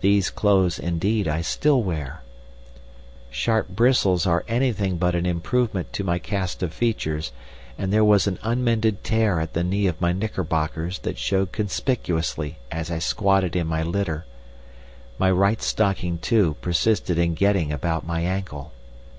(These clothes, indeed, I still wear.) Sharp bristles are anything but an improvement to my cast of features, and there was an unmended tear at the knee of my knickerbockers that showed conspicuously as I squatted in my litter; my right stocking, too, persisted in getting about my ankle.